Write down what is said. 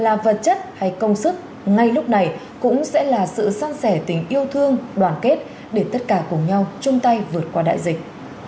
là vật chất hay công sức ngay lúc này cũng sẽ là sự san sẻ tình yêu thương đoàn kết để tất cả cùng nhau chung tay vượt qua đại dịch